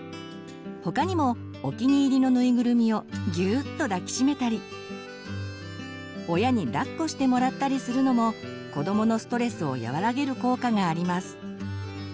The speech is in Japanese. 他にもお気に入りのぬいぐるみをギューッと抱き締めたり親にだっこしてもらったりするのも子どものストレスを和らげる効果があります。